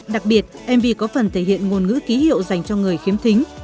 đặc biệt mv có phần thể hiện ngôn ngữ ký hiệu dành cho người khiếm thính